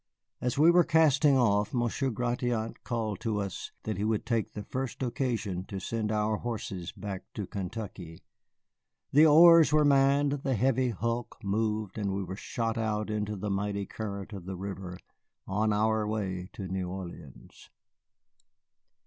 As we were casting off, Monsieur Gratiot called to us that he would take the first occasion to send our horses back to Kentucky. The oars were manned, the heavy hulk moved, and we were shot out into the mighty current of the river on our way to New Orleans.